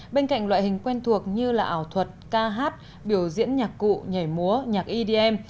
bên cạnh loại hình quen thuộc như ảo thuật ca hát biểu diễn nhạc cụ nhảy múa nhạc edm